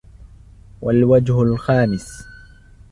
وَالْوَجْهُ الْخَامِسُ